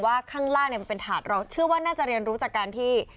ข้างล่างมันเป็นถาดเราเชื่อว่าน่าจะเรียนรู้จากการที่